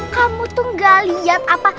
kamu tuh gak lihat apa